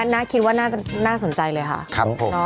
น่าคิดว่าน่าสนใจเลยค่ะครับผม